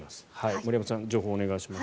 森山さん、情報をお願いします。